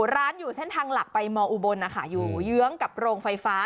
ร้านอยู่เส้นทางหลักไปมอุบลนะคะอยู่เยื้องกับโรงไฟฟ้า